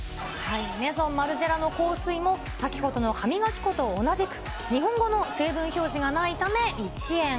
メゾンマルジェラの香水も、先ほどの歯磨き粉と同じく、日本語の成分表示がないため１円。